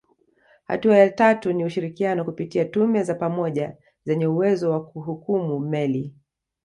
Hatua ya tatu ni ushirikiano kupitia tume za pamoja zenye uwezo wa kuhukumu meli